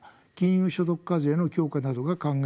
所得課税の強化などが考えられます。